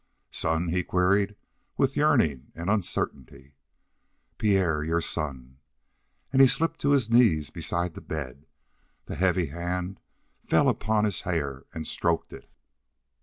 "Son?" he queried with yearning and uncertainty. "Pierre, your son." And he slipped to his knees beside the bed. The heavy hand fell upon his hair and stroked it.